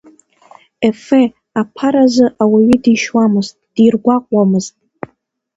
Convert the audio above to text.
Ефе, аԥара азы ауаҩы дишьуамызт, диргәаҟуамызт.